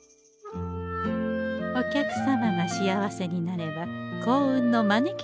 お客様が幸せになれば幸運の招き猫さんが生まれる。